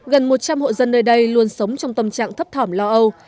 gần một trăm linh hộ dân nơi đây luôn sống trong tâm trạng thấp thỏm lo âu